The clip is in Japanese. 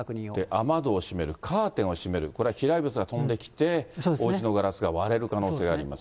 雨戸を閉める、カーテンを閉める、これは飛来物が飛んできて、おうちのガラスが割れる可能性があります。